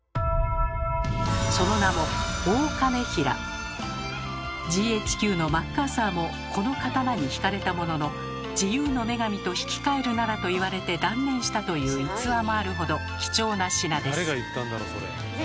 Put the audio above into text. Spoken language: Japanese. その名もＧＨＱのマッカーサーもこの刀に惹かれたものの「『自由の女神』と引き換えるなら」と言われて断念したという逸話もあるほど貴重な品です。